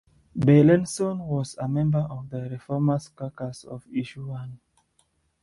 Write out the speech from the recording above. Beilenson was a member of the ReFormers Caucus of Issue One.